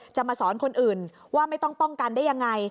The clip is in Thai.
จะมาสอนคนอื่นว่าไม่ต้องป้องกันได้ยังไง